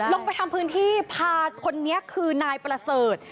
ไปทำพื้นที่พาคนนี้คือนายประเสริฐ